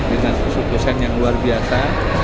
dengan suku suku yang luar biasa